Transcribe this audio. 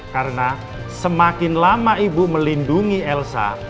karena semakin lama ibu melindungi elsa